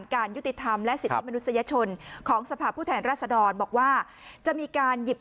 ภาพเหล่านั้นพอมันหลุดออกมา